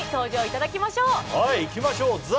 いきましょう。